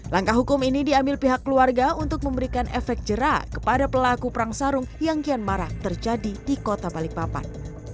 langkah hukum ini diambil pihak keluarga untuk memberikan efek jerah kepada pelaku perang sarung yang kian marah terjadi di kota balikpapan